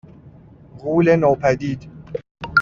غولِ نوپدید